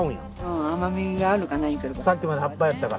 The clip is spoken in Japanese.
甘みがあるかないか。